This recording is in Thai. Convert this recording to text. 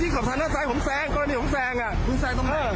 เอ่อก็ออกไว้สั่งคุณไม่ได้